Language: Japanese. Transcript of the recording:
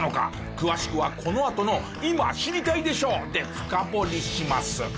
詳しくはこのあとの『今知りたいでしょ！』で深掘りします。